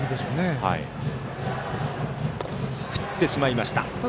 ここは振ってしまいました。